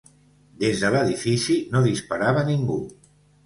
Des de l'edifici no disparava ningú.